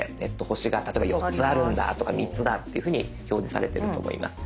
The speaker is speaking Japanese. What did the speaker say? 星が例えば４つあるんだとか３つだっていうふうに表示されてると思います。